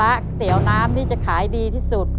เพื่อชิงทุนต่อชีวิตสุด๑ล้านบาท